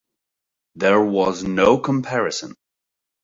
There was no comparison.